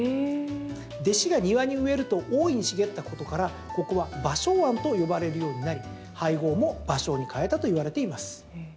弟子が庭に植えると大いに茂ったことからここは芭蕉庵と呼ばれるようになり俳号も芭蕉に変えたといわれています。